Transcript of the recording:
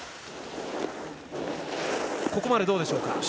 ここまでどうでしょうか。